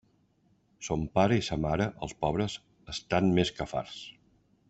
Son pare i sa mare, els pobres, estan més que farts.